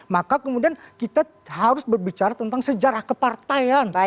maka kemudian kita harus berbicara tentang sejarah kepartaian